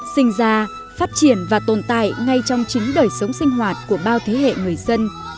sinh ra phát triển và tồn tại ngay trong chính đời sống sinh hoạt của bao thế hệ người dân